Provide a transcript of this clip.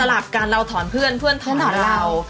หลับกันเราถอนเพื่อนเพื่อนเขาถอนเรา